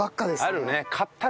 あるね。